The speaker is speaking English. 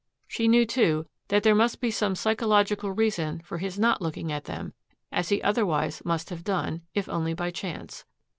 She knew, too, that there must be some psychological reason for his not looking at them, as he otherwise must have done, if only by chance.